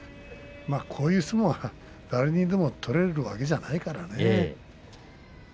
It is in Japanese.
こういう相撲は誰にでも取れるわけじゃないからね。